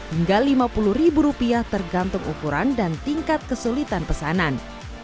hingga lima puluh ribu rupiah tergantung ukuran dan tingkat kesulitan pesanan